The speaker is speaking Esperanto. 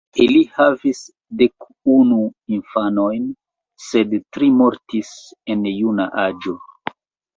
Ili havis dekunu infanojn, sed tri mortis en juna aĝo.